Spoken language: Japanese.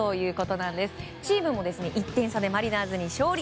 チームも１点差でマリナーズに勝利。